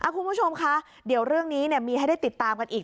คุณผู้ชมคะเดี๋ยวเรื่องนี้มีให้ได้ติดตามกันอีก